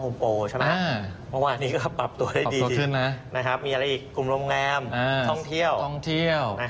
มีอะไรอีกกลุ่มโรงแรมท่องเที่ยว